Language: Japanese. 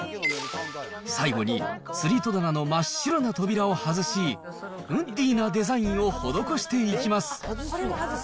最後につり戸棚の真っ白な扉を外し、ウッディなデザインを施していきます。